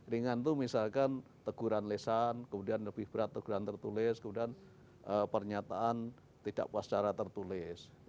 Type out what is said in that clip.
ringan itu misalkan teguran lesan kemudian lebih berat teguran tertulis kemudian pernyataan tidak puas secara tertulis